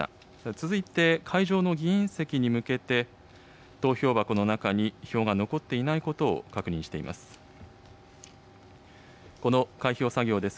続いて会場の議員席に向けて、投票箱の中に票が残っていないことを確認しています。